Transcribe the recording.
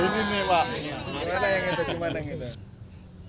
gimana yang itu gimana yang itu